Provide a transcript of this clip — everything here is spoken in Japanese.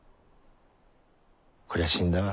こりゃ死んだわ。